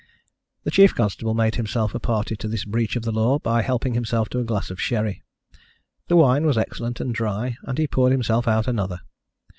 The chief constable made himself a party to this breach of the law by helping himself to a glass of sherry. The wine was excellent and dry, and he poured himself out another.